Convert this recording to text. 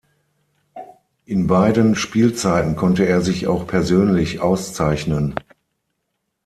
In beiden Spielzeiten konnte er sich auch persönlich auszeichnen.